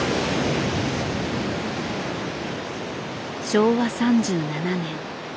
昭和３７年。